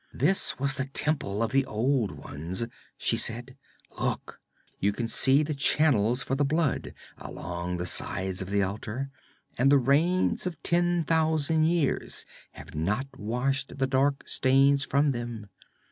'This was the temple of the old ones,' she said. 'Look you can see the channels for the blood along the sides of the altar, and the rains of ten thousand years have not washed the dark stains from them.